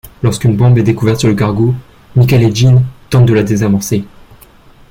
Lorsqu'une bombe est découverte sur le cargo, Michael et Jin tentent de la désamorcer.